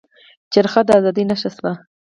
چرخه د ازادۍ نښه شوه.